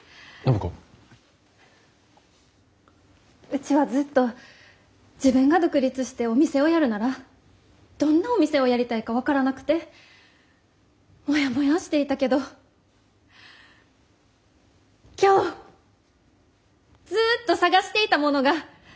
うちはずっと自分が独立してお店をやるならどんなお店をやりたいか分からなくてもやもやーしていたけど今日ずっと探していたものが見つかりました！